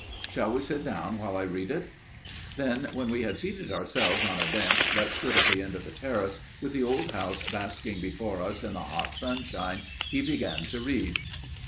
Shall we sit down while I read it?" Then when we had seated ourselves on a bench that stood at the end of the terrace, with the old house basking before us in the hot sunshine, he began to read.